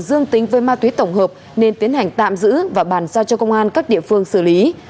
dương tính với ma túy tổng hợp nên tiến hành tạm giữ và bàn giao cho công an các địa phương xử lý